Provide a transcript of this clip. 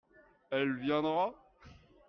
Elle viendra ?